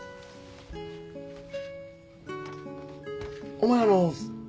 お前あの。